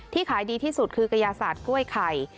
ที่ขายดีที่สุดคือกระยาสาดกล้วยไข่